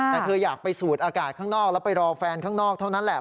แต่เธออยากไปสูดอากาศข้างนอกแล้วไปรอแฟนข้างนอกเท่านั้นแหละ